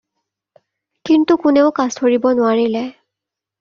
কিন্তু কোনেও কাছ ধৰিব নোৱাৰিলে।